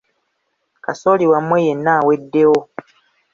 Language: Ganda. Kasooli wamwe yenna aweddewo!